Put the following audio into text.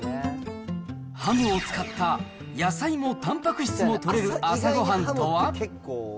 ハムを使った、野菜もたんぱく質もとれる朝ごはんとは。